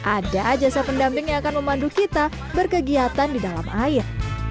ada ajasa pendamping yang akan memandu kita berkegiatan di dalam air